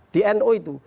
di nu itu